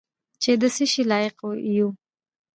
چې د څه شي لایق یو .